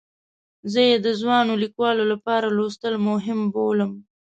زه یې د ځوانو لیکوالو لپاره لوستل مهم بولم.